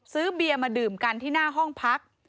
ซื้อเบียร์มาดื่มกันที่หน้าห้องพัก